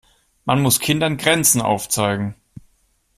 Man muss Kindern Grenzen aufzeigen.